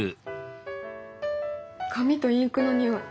紙とインクの匂い